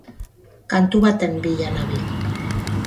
Kantu baten bila nabil.